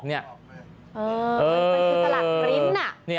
มันคือสลัดลิ้น